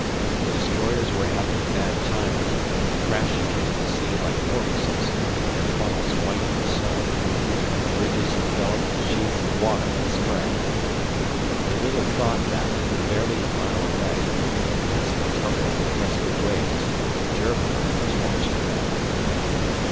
The destroyers were having a bad time of it, crashing into the sea like porpoises, their funnels white with salt, and their bridges enveloped in sheets of water and spray. They little thought that, barely a mile away, amidst the tumbling, crested waves a German eye was watching them!